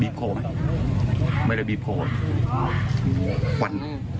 บีฟโคลไหมไม่ได้บีฟโคดิคหุ่น